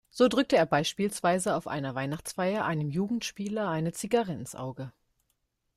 So drückte er beispielsweise auf einer Weihnachtsfeier einem Jugendspieler eine Zigarre ins Auge.